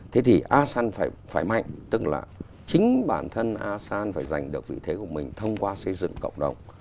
thế thì asean phải mạnh tức là chính bản thân asean phải giành được vị thế của mình thông qua xây dựng cộng đồng